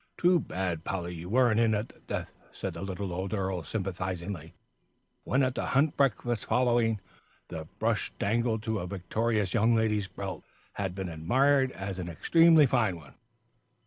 "Too bad, Polly, you weren't in at the death," said the little old earl, sympathisingly, when at the hunt breakfast following, the brush dangling to a victorious young lady's belt, had been admired as an extremely fine one.